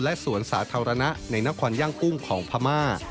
และสวนสาธารณะในนครย่างกุ้งของพม่า